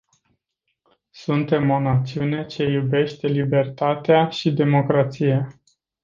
Suntem o națiune ce iubește libertatea și democrația.